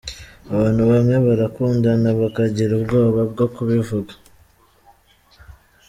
Abantu bamwe barakundana bakagira ubwoba bwo kubivuga.